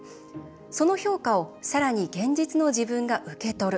その評価をさらに現実の自分が受け取る。